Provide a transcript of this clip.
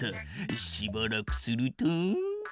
しばらくすると。